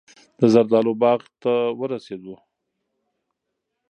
د زردالو باغ ته ورسېد.